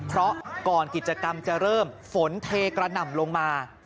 เพราะก่อนกิจกรรมจะเริ่มฝนเทกระหน่ำลงมา